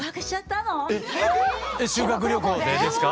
え⁉えっ修学旅行でですか？